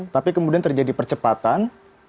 tapi kemudian terjadi percepatan